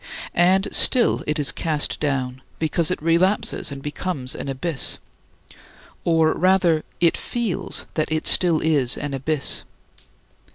And still it is cast down because it relapses and becomes an abyss, or rather it feels that it still is an abyss.